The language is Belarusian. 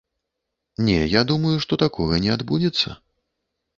Не, я думаю, што такога не адбудзецца.